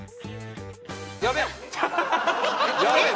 やべえ！